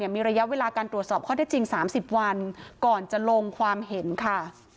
มีระยะเวลาการตรวจสอบข้อได้จริง๓๐วันก่อนจะลงความเห็นค่ะ